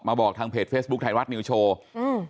บอกทางเพจเฟซบุ๊คไทยรัฐนิวโชว์อืม